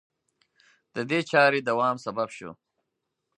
د دې چارې دوام سبب شو